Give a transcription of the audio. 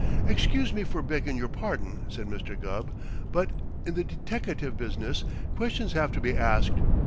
"Excuse me for begging your pardon," said Mr. Gubb, "but in the deteckative business questions have to be asked.